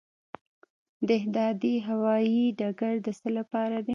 دهدادي هوايي ډګر د څه لپاره دی؟